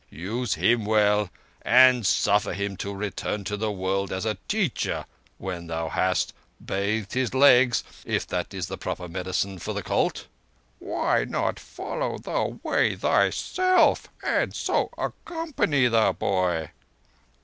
Use him well, and suffer him to return to the world as a teacher, when thou hast—bathed his legs, if that be the proper medicine for the colt." "Why not follow the Way thyself, and so accompany the boy?"